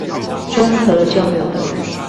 中和交流道